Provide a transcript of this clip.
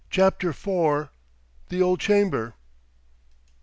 CHAPTER IV. THE OLD CHAMBER.